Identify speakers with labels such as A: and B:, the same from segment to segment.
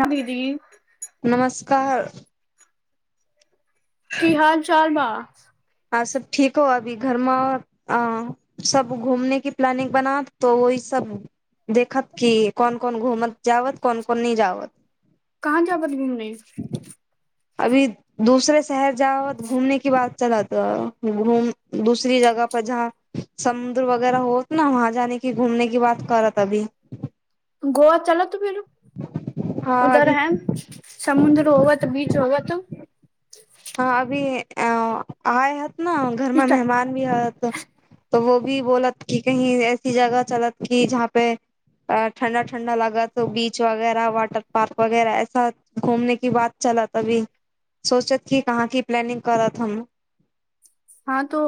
A: नगदी।
B: नमस्कार।
A: की हाल चाल बा।
B: हँ सब ठीक हआ अभी घरमे अ [unintelligible] सब घूमने की प्लानिंग बना त वहि सब। देखत की कोन कोन घूमत जावत कोन कोन न जावत।
A: कहाँ जावत घूमने।
B: अभी। दूसरे शहर जा तऽ घूमने की बात चल त घूम दूसरी जगह पर ज [unintelligible] समुद्र वगैरह होत न वहाँ जााने क घूमने की बात करत अभी।
A: गोवा चल तू बरो
B: हँ
A: उधर
B: अभी
A: है [unintelligible] समुद्र हगत बीच होगत [unintelligible]
B: हँ अभी अ आय हत न घर मे
A: ठीक है
B: मेहमान भी हत [unintelligible] त वो भी बोलत कि कही ऐसी जगह चलत की जहाँ पे [unintelligible] अ ठण्ा ठण्डा लागत बीच वगैरह वाटर पार्क वगैरह ऐसा [unintelligible] घूमने की बात चलत अभी सोचत क कहाँ की प्लानिंग करत हम [unintelligible]
A: हँ तो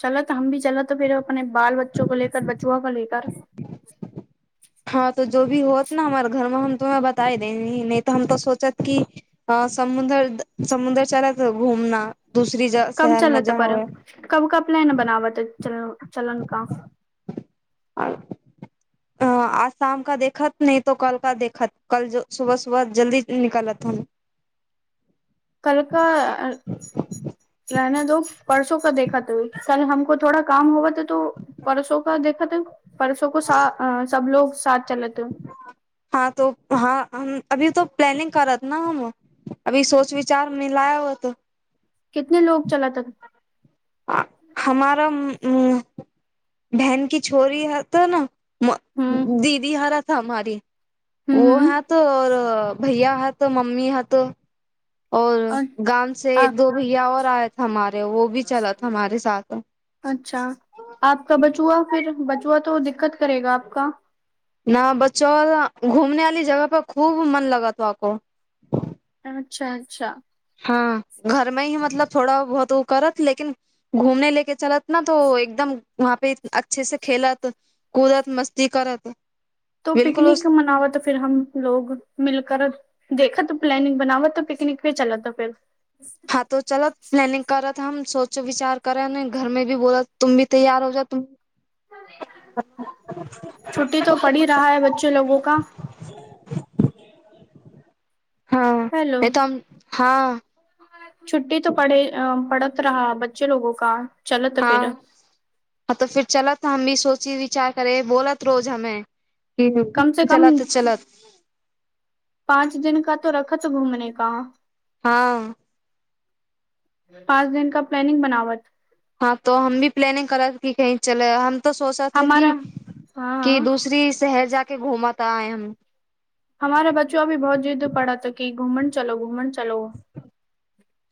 A: चल त हम भी चल त फेर अपने बाल बच्चो को लेक बचुआ को लेक [unintelligible] [inaudible]
B: हँ तो जो भ होत न हमरे घरमे हम तु्हरा बताए देंगे नहि तऽ हम तो सोचत कि [unintelligible] अ समुदर समुद्र चार त घुमना दूसरी ज [unintelligible]
A: कब चलतै
B: जहाँ
A: पर
B: हुए
A: कब क प लैन बनाबऽ त चलन क [unintelligible]
B: आर [unintelligible]
A: ह [inaudible]
B: आज शाम का देखत नहि तो कल का देखत कल ज सुबह सुबह जल्दी निकलत हम। [unintelligible]
A: कलका [unintelligible] रहना दो परसो क देखा तऽ कल हमको ोड़ा काम होबा तऽ तो [unintelligible] परसो का देखत त परसो को साथ सब लोग साथ चलेत ह [unintelligible]
B: हँ तो हँ हम अभी त प्लानिंग करत न हम। अभी सोच विचार मिलय हो तऽ।
A: कितने लोग चला त [unintelligible]
B: हमार बहन की छोरी ह त ने [unintelligible]
A: हम्म
B: दीदी हराथ हमी [unintelligible] वो
A: हम्म
B: है तऽ आऔर भैया है तऽ मम्मी है तऽ [unintelligible] और
A: हम्म
B: गाम से एक दो भैया और आयथ हमारे वो भी चलथ हमारे साथ [unintelligible]
A: अच्छा आपका बचुआ फिर बचुआ तो दिक्कत करेगा आपका [unintelligible]
B: न बच्चौ घूमने वाली जगह पर खूब मन लग थो आको [unintelligible]
A: अच्छा अच्छा।
B: हँ घरमे ही मतलब थोड़ा बहुत ओ करत लेकिन [unintelligible] घूमने लेके चलत न त एकदम वहाँ पे अच्छे से खेलत [unintelligible] पूरा मस्ती कर [unintelligible]
A: तो पिकनिक मनावत [unintelligible] फिर हम लोग मिलकर देखा तऽ प्लानिंग बनाबा तऽ पिकनिक भ चला त फेर [unintelligible]
B: हँ तो चलत प्लानिंग करत हम सोच विचार। करै ने घरमे भ बोला तुम भी तैयार हो जा तु [unintelligible]
A: छुट्टी तऽ पड़ी रहा है बच्चे लोगो का [unintelligible]
B: हँ
A: हेलो
B: एठाम हँ।
A: छुट्टी तऽ पड़ अ पड़त रहा बच्चे लोगो का। चलत फिर
B: हँँ तऽ फिर चलत हम भी सोची विचार करे बोलत रोज हमे। कि
A: कम से कम
B: चलत चलत
A: पाँच दिन का तो रखत घूमने का।
B: हँ।
A: पाँच दिन क प्लानिंग बनावत।
B: हँ त हम भी प्लानिंग करा कि कहीं चल हम। तऽ सोचाथा कि
A: हमारा हाँ
B: क
A: हाँ
B: दूसरी शहर जाक घूमा त आय हम।
A: हमारे बच्चो अी बहुत जिद्द पड़ा की घूमन चलो घूमन चलो।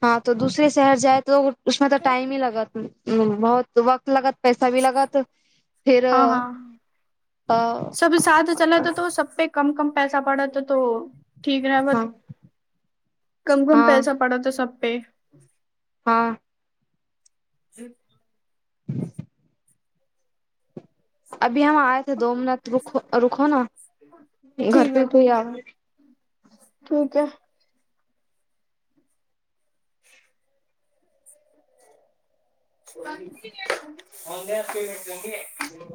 B: हँ तो दूसरे शहर जाए त उसमे तऽ टाइम ही लगत। ह बहुत वक्त लगत पैसा भी लगत फेर।
A: हाँ हाँ सब साथ चलत तऽ। कम-कम पैसा पड़त तऽ तो ठीक रहबत कम-कम पैसा।
B: हँ
A: पड़त सब पे।
B: हँ। अभी हम आएथे दो मिनट रुको-रुको ने घर पे कोइ आ।
A: ठिके। पेट कर।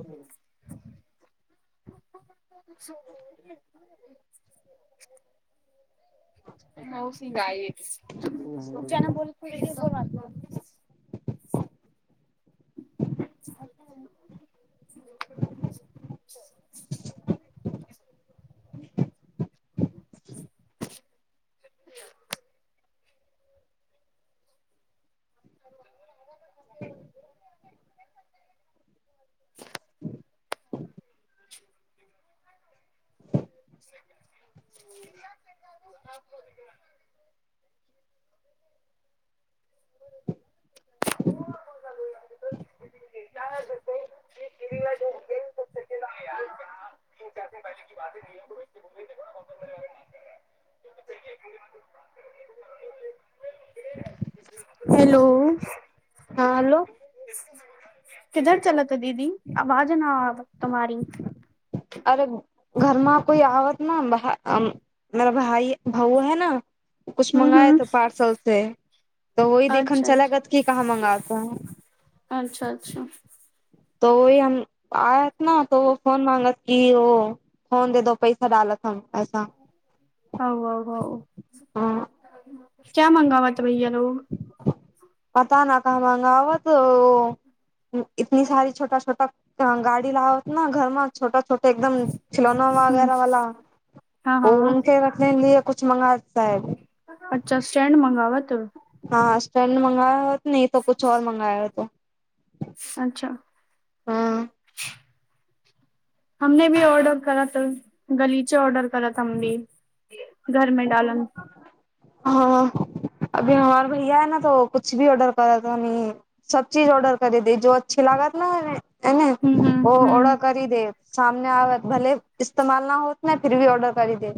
A: [inaudible] मौसी। ओ ज ने बोल। [inaudible] [inaudible]
B: [inaudible]
A: [inaudible] [inaudible] हूॅं। [inaudible] [inaudible] [unintelligible] चार चचे पैसे बाते। [inaudible] हेलो।
B: हँ हेलो।
A: किधर चलतै दीदी आवाज नहि आवत तुम्हारी।
B: अरे घरमा कोई आवत नहि ब। मेरा भाइ भउ है न। कछु
A: हम्म हम्म
B: मंगायत पार्सल से तऽ वहि देखन
A: अच्छा
B: चला
A: अच्छा
B: गत की कहा मंगाता है।
A: अच्छा अच्छा।
B: त ओय हम आयत न त वो फोन माँगत कि ओ। फोन दे दो पैसा डालत हम पैसा।
A: आ
B: ह
A: क्य मंगाबत भैया लोग।
B: पता न क मगाबत हो। इतनी सारी छोटा-छोटा गाड़ी लागत न घर मे छोटा छोटा एकदम। खिलौना
A: हम्म
B: वगैरह वाला
A: हाँ
B: ओ
A: हाँ
B: उनके रखने लिए कुछ मंगातै।
A: अच्छा स्टेंड मंगाबत।
B: हँ स्टैड मंगायात नही त कुछ और मंगयात
A: सच्चा
B: हाँ
A: हमने भी ऑर्डर कराथ गलीचे ऑर्डर कराथ हम भी घर मे डालम
B: हँ अभी हमार भैया है ने तो कछ भी ऑर्डर कर त हनी सब चीज ऑर्डर करी दे जो अच्छे लागत इने
A: हूं हूं
B: ओ
A: हूं
B: ऑर्डर करी दे सामने आब भले इ्स्तेमाल न होत ना फिर भी ऑर्डर करी दे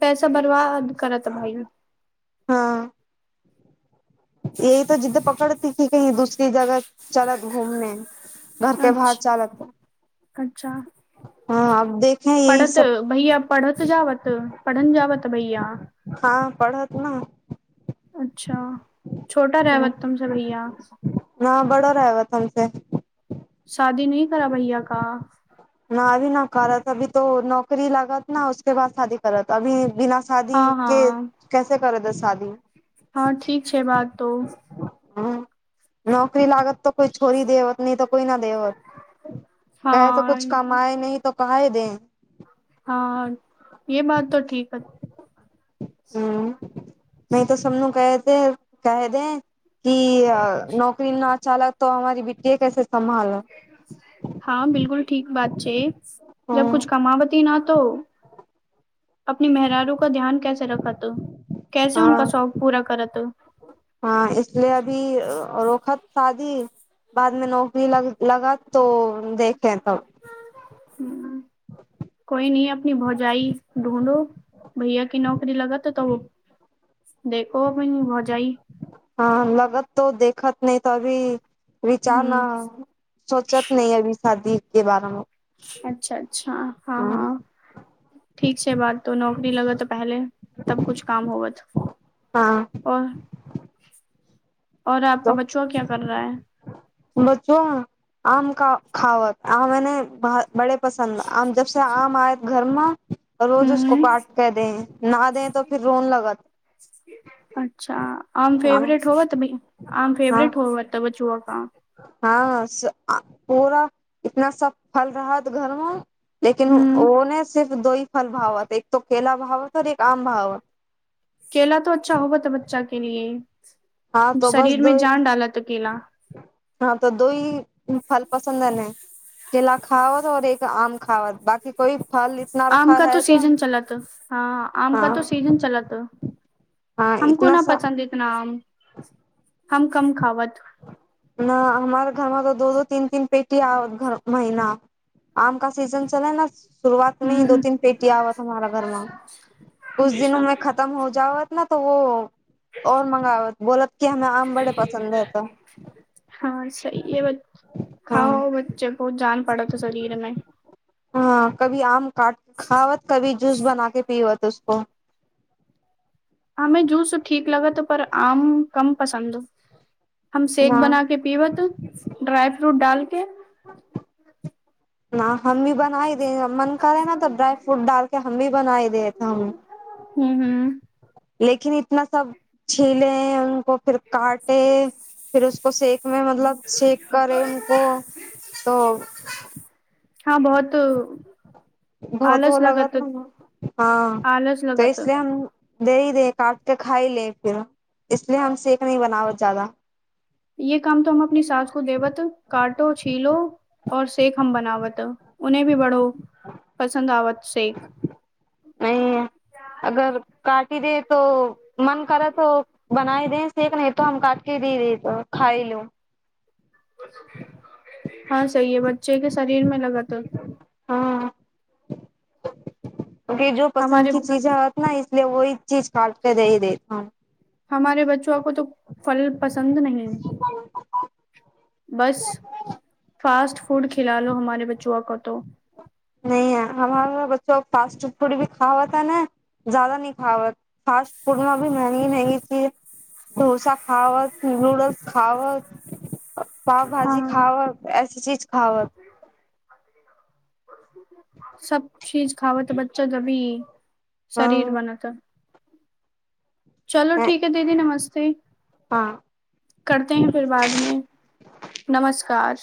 A: पैसा बर्बाद करत भाय
B: हाँ। ए त जिद्द पकड़ती कि कही दूसरी जगह चलत घूमने घर के बाहर चालत
A: कच्छा
B: हँ अब देखे यही
A: पढ़त
B: सब
A: भैया पढ़त जावत पढ़न जावत भैया
B: हँ पढ़त न
A: अच्छा छोटा रहत तुम से भैया
B: न बड़ा रहवत हम से
A: शादी नही करा भैय का
B: न अभी न करत अभी तो नौकरी लागत न उसके बाद शादी करत अभी बिना शा शादी
A: हाँ
B: के
A: हाँ
B: कैसे करे द शादी
A: हँ ठीक छै बात तो
B: हू नौकरी लागत तऽ कोय छोरी देवत नाहि तोऽ कोय न देवत कहै त
A: हाँ
B: कुछ कमाय नहू तऽ काहे देम
A: हँ ये बात तऽ ठीक ह
B: हूँ नहि तऽ सबनु कैहते कह दे कि नौकरी न चालक तो हमारी बिटीेया कैसे संम्भाल
A: हँ बिल्कुल ठीक बात छैय जब कुछ
B: हँ
A: कमााबती न तो अपने मेहरारू क ध्यान कैसे रखात कैसे उनक शौक पूरा करऽत
B: हँ इसलिए अभी रोखब शादी बाद मे नौकरी लग लगत तो देखे तब
A: कोई नही अपनी भौजाई ढूंढो भैया की नौकरी लगात तऽ देखो अपनी भौजाई
B: हँ लगत तो देखत नहि तऽ अभी विचार न
A: हम्म
B: ह सोचत नहि अभी शादी के बारे मे
A: अच्छा अच्छा हाँ हाँ। ठीक छै बात तो नौकरी लगत तऽ पहले तब कुछ काम होवत
B: हाँ।
A: और और आपका बच्चुआ क्या कर रहा है?
B: बच्चुवा आम का खावत आमे ने बड़े पसंन्द आम जब से आम आयव घर मे रोज उसको
A: हम्म
B: काट के दें ना दे तो फिर रोन लगत
A: अच्छा आम
B: हँ
A: फेवरेट होवत आम फेवरेट होवत बच्चुवा का
B: हाँ स आ पूरा इतना स फल रहत घर मे लेकिन
A: हम्म
B: ओ ने सिर्फ दो ही फल भावत एक तो केला भावत और एक आम भाव
A: केेला त अच्छा होबत बच्चा के लिए,
B: हँ तो बस
A: शरीर में जान डालत केेला।
B: हँ तऽ दो ही फल पसन्द एलैं। केला खावत और एक आम खावत, बाकी कोइ फल इतना रखा रहाै तऽ
A: हँ आम का तो सीजन चलत,
B: हाँ
A: हमको
B: इतना
A: न
B: सा
A: पसन्द हं, हम कम खावत।
B: हँ हमारे घरमे त दो दो तीन तीन पेटी आवत हर महीना। आम का सीजन चलै ने शुरुआत
A: हूं
B: मे ही दो
A: हूं
B: तीन पेटी आवत हमारा घरमे, कुछ
A: अच्छा
B: दिनोमें खतम हो जावत ना तो वो और मंगाबत बोलत कि हमे आम बड़े पसन्द ह तऽ
A: हँ सही इ बात, खाओ
B: हाँ
A: बच्चे को बहुत जान पड़तऽ शरीर में।
B: हँ कभी आम काट खावत, कभी जूस बना के पीबत उसको।
A: हमे जूस ठीक लगत पर आम कम पसन्द, हम शेक
B: न
A: बना के पीबत, ड्राई फ्रूट डालके
B: [inaudible] न हम भी बनाइ दे मन करे ने त ड्राई फ्रूट डालके हम भी बनाई देत हन।
A: हुं हुं।
B: लेकिन इतना सब छीले है उनको फिर काटे फिर उसको सेक मे मतलब सेक करे उसको तो
A: हँ बहुत
B: बहुत ओ लगत हन
A: आलस
B: तऽ
A: लगत
B: इसलिए हम देहि दे काटके खाइ ले फिर, इसलिए हम सेक नहि बनाबत जादा।
A: ये काम तो हम अपनी सास को देबत, काटो छीलो और सेक हम बनाबत है। उन्हे भी बड़ो पसन्द आवत शेक।
B: नहीं अगर काटि दे तो मन करै त बनाइ दे सेक, नहि तो हम काटके दहि देत है खाइ लू।
A: हँ सही है बच्चे के शरीर में लगतऽ।
B: हँ। कि जो पसन्द
A: हमारे
B: की चीज़ होत न इसलिए वह चीज काटके दी देत।
A: हमारे बच्चों को तऽ फल पसन्द नहि है। बस फास्ट फूड खिला लो हमारे बच्चुआ को तो
B: न यै हमार बच्चो फास्ट फूड भी खावत ने जादा नहि खावत, फास्ट फूड मे अभी महंगी महंगी चीज डोसा खावत नूडल्स खावत पाव भाजी
A: हाँ
B: खावत ऐसी चीज खावत।
A: सब चीज खावतऽ बच्चा तभी शरीर
B: हँ
A: बनत। चलो ठीक है दीदी नमस्ते।
B: हँ
A: करते हैं फिर बादमे नमस्कार।